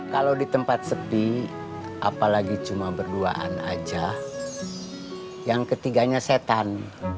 kalau di tempat sepi apalagi cuma berduaan aja yang ketiganya setan